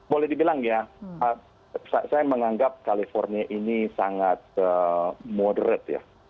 boleh dibilang ya saya menganggap california ini sangat moderat ya